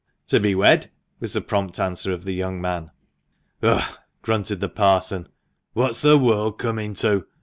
"To be wed," was the prompt answer of the young man. "Ugh!" grunted the Parson, "what's the world coming to?